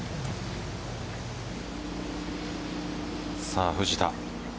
さあ藤田。